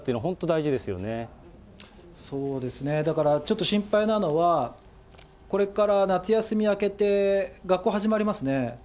だから、ちょっと心配なのは、これから夏休み明けて、学校始まりますね。